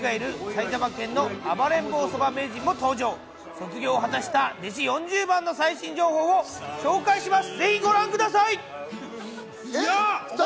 卒業果たした弟子４０番の最新情報を紹介します。